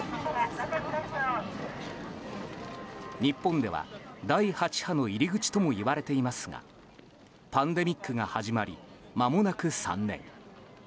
日本では第８波の入り口ともいわれていますがパンデミックが始まりまもなく３年。